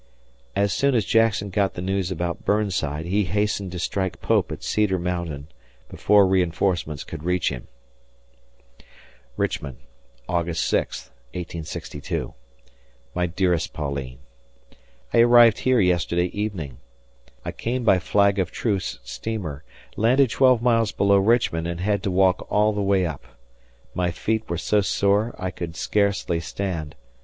As soon as Jackson got the news about Burnside, he hastened to strike Pope at Cedar Mountain before reinforcements could reach him. Richmond, August 6, '62. My dearest Pauline: I arrived here yesterday evening. I came by flag of truce steamer, landed twelve miles below Richmond and had to walk all the way up. My feet were so sore I could scarcely stand.